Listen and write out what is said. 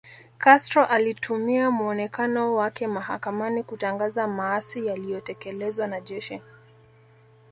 Castro alitumia muonekano wake mahakamani kutangaza maasi yaliyotekelezwa na jeshi